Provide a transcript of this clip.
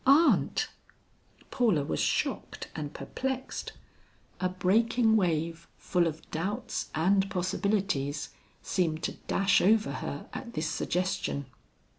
"Aunt!" Paula was shocked and perplexed. A breaking wave full of doubts and possibilities, seemed to dash over her at this suggestion.